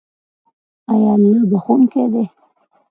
آیا الله بخښونکی دی؟